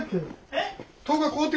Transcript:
えっ？